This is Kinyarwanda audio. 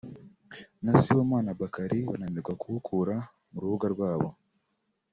na Sibomana Bakari bananirwa kuwukura mu rubuga rwabo